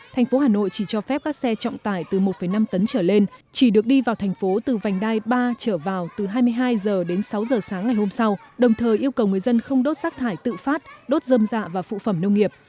thành phố hà nội chỉ cho phép các xe trọng tải từ một năm tấn trở lên chỉ được đi vào thành phố từ vành đai ba trở vào từ hai mươi hai h đến sáu h sáng ngày hôm sau đồng thời yêu cầu người dân không đốt rác thải tự phát đốt dâm dạ và phụ phẩm nông nghiệp